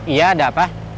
iya ada apa